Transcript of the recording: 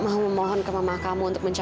raya tunggu deh